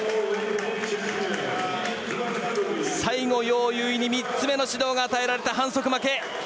最後、ヨウ・ユウイに３つ目の指導が与えられて反則負け。